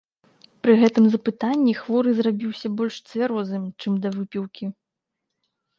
Пры гэтым запытанні хворы зрабіўся больш цвярозым, чым да выпіўкі.